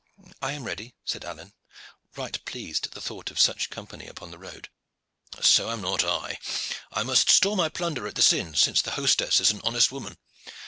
"I am ready," said Alleyne, right pleased at the thought of such company upon the road. "So am not I. I must store my plunder at this inn, since the hostess is an honest woman.